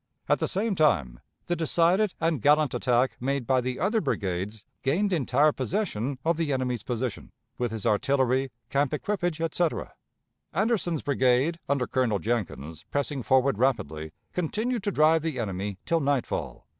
At the same time the decided and gallant attack made by the other brigades gained entire possession of the enemy's position, with his artillery, camp equipage, etc. Anderson's brigade, under Colonel Jenkins, pressing forward rapidly, continued to drive the enemy till nightfall.